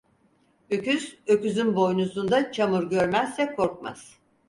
Öküz öküzün boynuzunda çamur görmezse korkmaz.